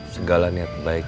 segala niat baik